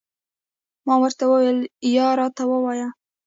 ما ورته وویل، یا راته ووایه.